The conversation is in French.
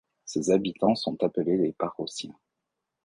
Ses habitants sont appelés les Paraussiens.